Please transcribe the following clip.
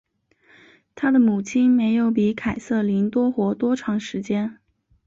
她的母亲没有比凯瑟琳多活多长时间。